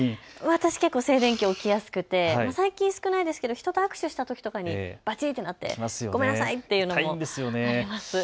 私、結構、静電気起きやすくて最近少ないですけど人と握手したときにバチッとなってごめんなさいっていうのあります。